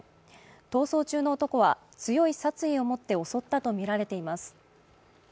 逃走中の男は強い殺意を持って襲ったとみられています。